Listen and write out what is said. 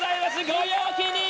ご陽気に！